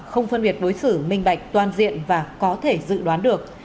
không phân biệt đối xử minh bạch toàn diện và có thể dự đoán được